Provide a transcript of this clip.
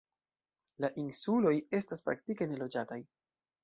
La insuloj estas praktike neloĝataj.